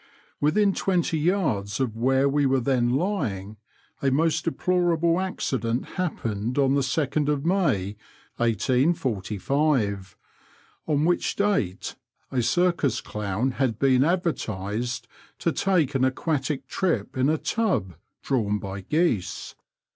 Within twenty yards of where we were then lying, a most deplorable accident happened on the 2nd May, 1845, on which date a circus clown had been advertised to take an aquatic trip in a tub drawn by geese.